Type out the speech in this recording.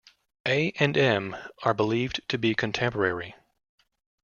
A and M are believed to be contemporary.